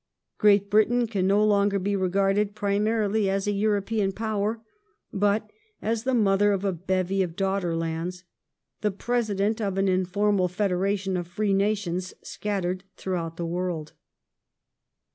Great Britain can no ^ longer be regarded primarily as a European power but as the Mother of a bevy of daughter lands — the President of an informal federation of free nations scattered throughout the world.